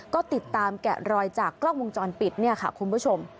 ก็ติดตามแกะรอยจากกล้องวงจรปิดเนี่ยค่ะคุณผู้ชม